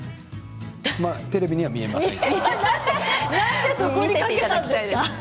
テレビでは見えません。